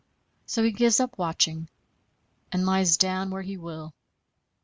So he gives up watching, and lies down where he will.